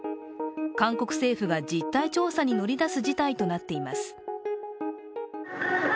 韓国政府が実態調査に乗り出す事態となっています。